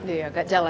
iya nggak jalan jalan